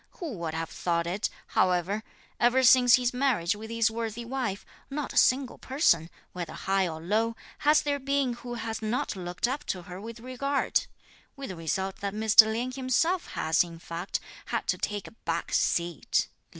Who would have thought it, however, ever since his marriage with his worthy wife, not a single person, whether high or low, has there been who has not looked up to her with regard: with the result that Mr. Lien himself has, in fact, had to take a back seat (lit.